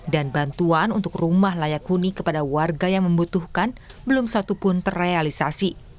dan bantuan untuk rumah layak huni kepada warga yang membutuhkan belum satupun terrealisasi